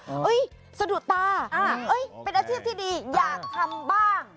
เฮ้ยสะดวกตาเฮ้ยเป็นอเทียบที่ดีอย่างทำบ้าง